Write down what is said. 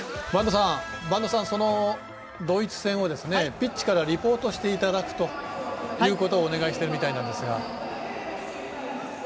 播戸さん、ドイツ戦をピッチからリポートしていただくということをお願いしているみたいなんですが。